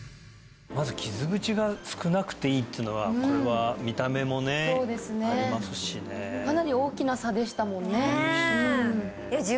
まず傷口が少なくていいっていうのはこれは見た目もねありますしねかなり大きな差でしたもんねねえ